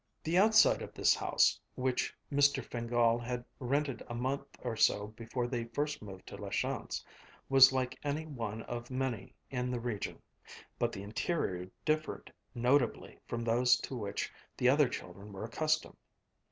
The outside of this house, which Mr. Fingál had rented a month or so before when they first moved to La Chance, was like any one of many in the region; but the interior differed notably from those to which the other children were accustomed.